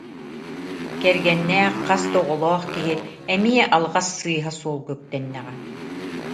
Кэргэннээх, хас да оҕолоох киһи эмиэ алҕас сыыһа суолга үктэннэҕэ